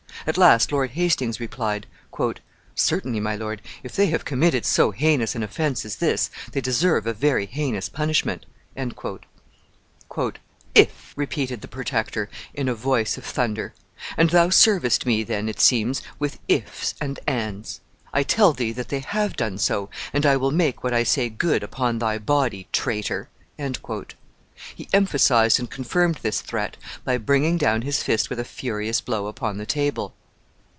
At last Lord Hastings replied, "Certainly, my lord, if they have committed so heinous an offense as this, they deserve a very heinous punishment." "If!" repeated the Protector, in a voice of thunder. "And thou servest me, then, it seems, with ifs and ands. I tell thee that they have so done and I will make what I say good upon thy body, traitor!" He emphasized and confirmed this threat by bringing down his fist with a furious blow upon the table.